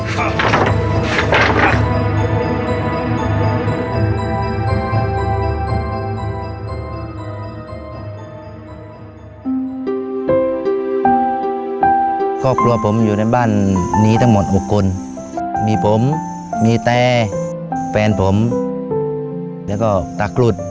รู้จักกลับหมดไปแม้มีคนที่ทำให้ผมถูกอยู่